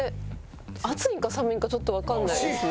暑いのか寒いのかちょっとわかんないですね。